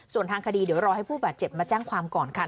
ส่วนทางคดีเดี๋ยวรอให้ผู้บาดเจ็บมาแจ้งความก่อนค่ะ